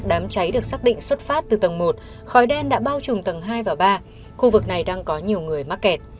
đám cháy được xác định xuất phát từ tầng một khói đen đã bao trùm tầng hai và ba khu vực này đang có nhiều người mắc kẹt